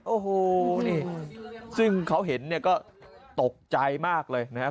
โอ้โหนี่ซึ่งเขาเห็นเนี่ยก็ตกใจมากเลยนะครับ